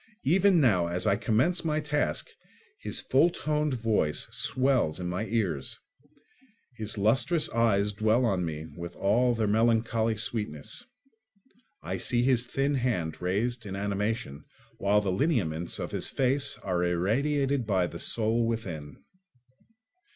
Even now, as I commence my task, his full toned voice swells in my ears; his lustrous eyes dwell on me with all their melancholy sweetness; I see his thin hand raised in animation, while the lineaments of his face are irradiated by the soul within.